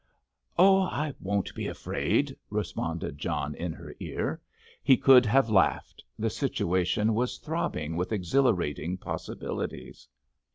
"Oh, I won't be afraid," responded John in her ear. He could have laughed—the situation was throbbing with exhilarating possibilities.